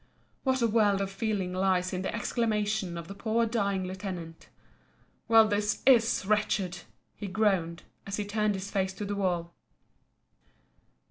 What a world of feeling lies in the exclamation of the poor dying lieutenant: "Well, this is wretched," he groaned, as he turned his face to the wall.